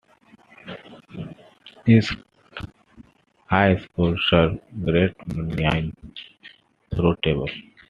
East High School serves grades nine through twelve.